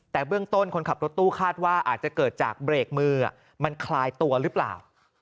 แต่เบื้องต้นคนขับรถตู้คาดว่าอาจจะเกิดจากเบรกมือมันคลายตัวหรือเปล่า